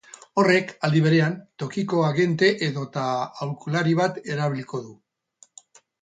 Horrek, aldi berean, tokiko agente edota aholkulari bat erabiliko du.